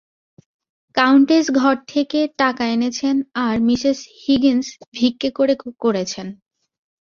Countess ঘর থেকে টাকা এনেছেন, আর মিসেস হিগিন্স ভিক্ষে করে করেছেন।